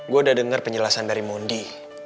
gue udah dengar penjelasan dari mondi